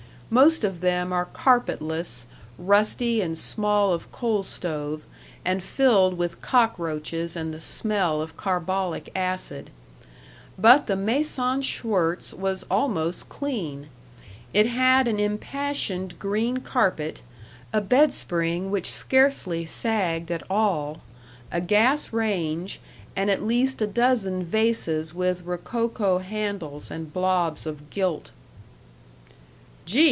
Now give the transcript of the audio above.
Most of them are carpetless, rusty and small of coal stove, and filled with cockroaches and the smell of carbolic acid. But the maison Schwirtz was almost clean. It had an impassioned green carpet, a bedspring which scarcely sagged at all, a gas range, and at least a dozen vases with rococo handles and blobs of gilt. "Gee!